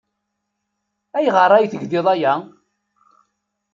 Ayɣer ay tgiḍ aya?